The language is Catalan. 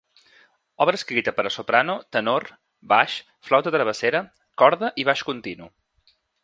Obra escrita per a soprano, tenor, baix, flauta travessera, corda i baix continu.